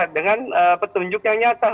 dengan petunjuk yang nyata